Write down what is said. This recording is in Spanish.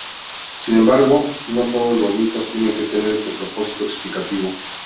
Sin embargo, no todos los mitos tienen que tener este propósito explicativo.